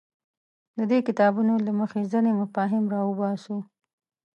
د دې کتابونو له مخې ځینې مفاهیم راوباسو.